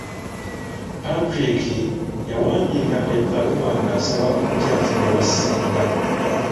Patrick yawandiika ebbaluwa ng'asaba okukyazibwa ewa ssenga.